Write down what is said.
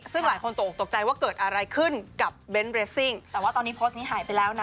ซึ่งหลายคนตกออกตกใจว่าเกิดอะไรขึ้นกับเบนท์เรสซิ่งแต่ว่าตอนนี้โพสต์นี้หายไปแล้วนะ